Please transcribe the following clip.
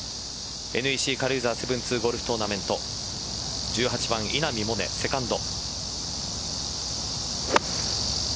ＮＥＣ軽井沢７２ゴルフトーナメント１８番、稲見萌寧セカンド。